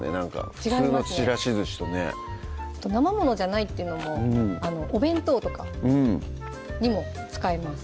普通のちらしずしとね生ものじゃないっていうのもお弁当とかにも使えます